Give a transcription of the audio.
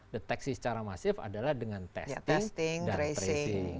deteksi secara masif adalah dengan testis dan tracing